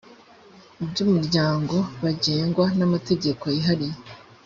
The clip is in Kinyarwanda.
iby umuryango bagengwa n amategeko yihariye